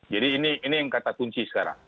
jadi ini yang kata kunci sekarang